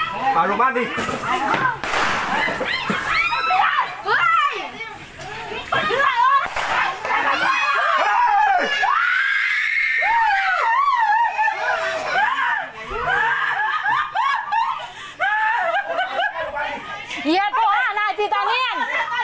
เย็นตัวอ้านไหนที่ตานียัน